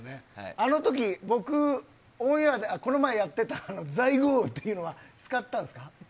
あのとき、僕、オンエアで、この前やってた最高っていうのは、使ったんですか？